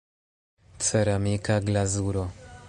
Ceramika glazuro.